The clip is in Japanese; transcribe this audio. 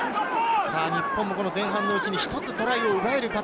前半のうちに一つトライを奪えるか。